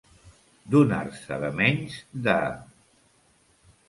Donar-se de menys de.